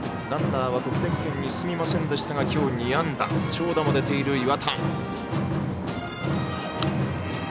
ランナーは得点圏に進みませんでしたが今日２安打、長打も出ている岩田。